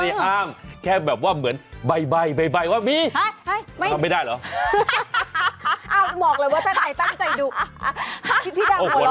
ไม่เป็นญาติแค่มีใบว่ามีแล้วทำไมได้หรอ